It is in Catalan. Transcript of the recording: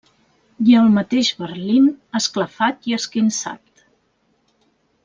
I el mateix Berlín esclafat i esquinçat.